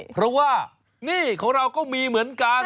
เพราะว่านี่ของเราก็มีเหมือนกัน